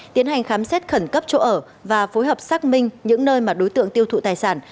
tiến hành khám xét khẩn cấp chỗ ở và phối hợp xác minh những nơi mà đối tượng tiêu thụ tài sản